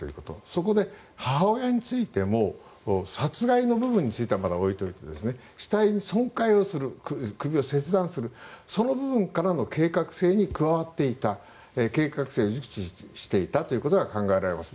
そこで母親についても殺害の部分についてはまだ置いておいて死体の損壊をする首を切断するその部分からの計画性に加わっていた、計画性を熟知していたということが考えられます。